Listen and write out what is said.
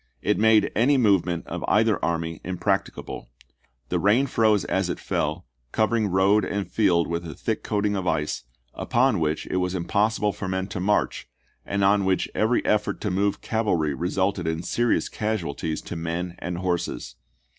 It made any movement of either army impracticable. The rain froze as it fell, covering road and field with a thick coating of ice, upon which it was impossible for men to march, and on which every effort to move cavalry resulted in serious casualties to men and horses.